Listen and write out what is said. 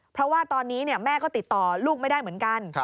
เพราะว่าตอนนี้แม่ก็ติดต่อลูกไม่ได้เหมือนกัน